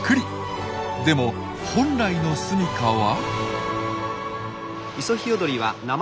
でも本来のすみかは？